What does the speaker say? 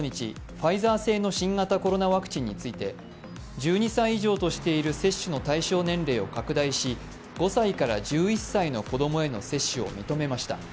ファイザー製の新型コロナワクチンについて、１２歳以上としている接種の対象年齢を拡大し、５歳から１１歳の子供への接種を認めました。